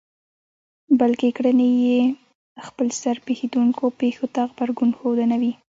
بلکې کړنې يې خپلسر پېښېدونکو پېښو ته غبرګون ښودنه وي.